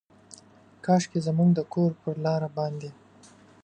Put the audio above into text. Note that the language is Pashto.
کاشکي زموږ د کور پر لاره باندې،